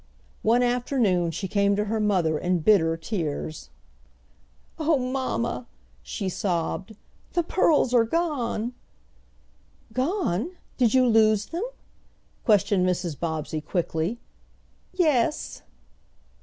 One afternoon she came to her mother in bitter tears. "Oh, mamma!" she sobbed. "The the pearls are gone," "Gone! Did you lose them?" questioned Mrs. Bobbsey quickly. "Yes."